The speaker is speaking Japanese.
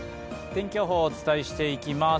天気予報お伝えしていきます